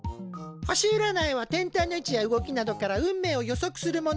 星うらないは天体の位置や動きなどから運命を予測するもの。